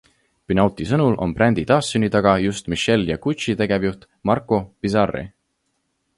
Pinaulti sõnul on brändi taassünni taga just Michele ja Gucci tegevjuht Marco Bizzarri.